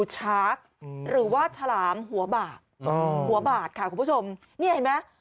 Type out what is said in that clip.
ชาร์คหรือว่าฉลามหัวบาดหัวบาดค่ะคุณผู้ชมนี่เห็นไหม